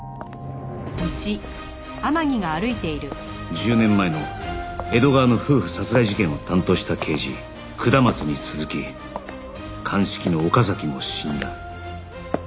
１０年前の江戸川の夫婦殺害事件を担当した刑事下松に続き鑑識の岡崎も死んだ